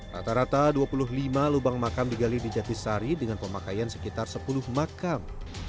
rata rata dua puluh lima lubang makam digali di jatisari dengan pemakaian sekitar sepuluh makam